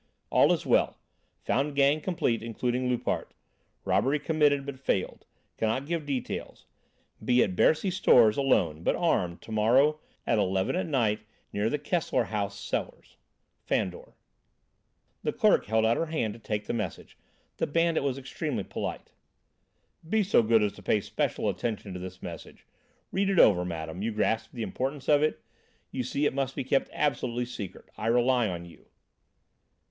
All is well; found gang complete, including Loupart. Robbery committed but failed. Cannot give details. Be at Bercy Stores alone, but armed, to morrow at eleven at night, near the Kessler House cellars. "Fandor." The clerk held out her hand to take the message. The bandit was extremely polite. "Be so good as to pay special attention to this message. Read it over, madam. You grasp the importance of it? You see it must be kept absolutely secret. I rely on you."